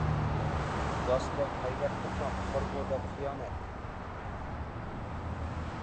گاس دەپ غەيۋەت قىلما، قارىغۇ دەپ خىيانەت.